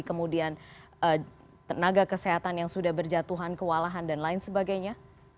kemudian tenaga kesehatan yang sudah berjatuhan kewalahan dan lain sebagainya